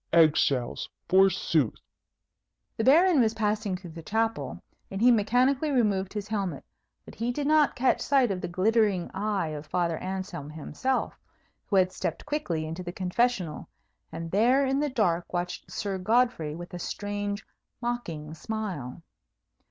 Egg shells, forsooth!" The Baron was passing through the chapel, and he mechanically removed his helmet; but he did not catch sight of the glittering eye of Father Anselm himself, who had stepped quickly into the confessional, and there in the dark watched Sir Godfrey with a strange, mocking smile.